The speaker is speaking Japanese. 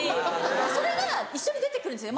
それが一緒に出て来るんですね